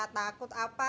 tidak ada rasa takut apa